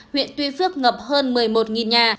huyện tuy phước ngập hơn một mươi một nhà